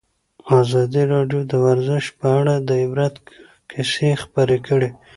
ازادي راډیو د ورزش په اړه د عبرت کیسې خبر کړي.